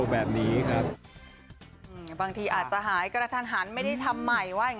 บางทีอาจจะหายกรรทรรภัณฑ์ไม่ได้ทำใหม่